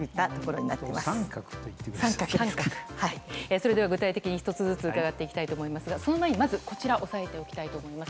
それでは具体的に１つずつ伺っていきたいと思いますがその前にこちらを押さえておきたいと思います。